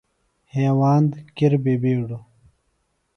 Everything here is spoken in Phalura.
ہیواند کِر بہ بِیڈوۡ